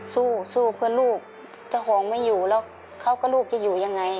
สู้สู้เพื่อลูกเจ้าของไม่อยู่แล้วเขาก็ลูกจะอยู่ยังไง